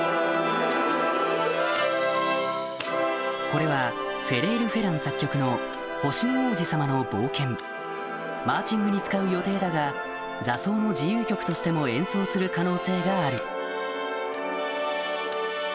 これはフェレール・フェラン作曲の『星の王子さまの冒険』マーチングに使う予定だが座奏も自由曲としても演奏する可能性がある